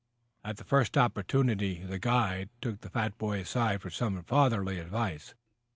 At the first opportunity the guide took the fat boy aside for some fatherly advice.